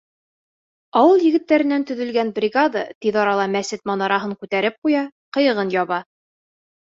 Ауыл егеттәренән төҙөлгән бригада тиҙ арала мәсет манараһын күтәреп ҡуя, ҡыйығын яба.